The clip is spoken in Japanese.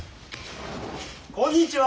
・・こんにちは。